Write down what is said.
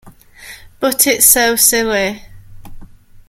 But it's so silly!